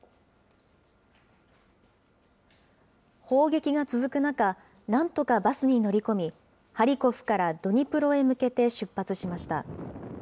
砲撃が続く中、なんとかバスに乗り込み、ハリコフからドニプロへ向けて出発しました。